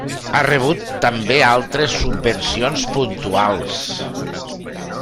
Ha rebut també altres subvencions puntuals.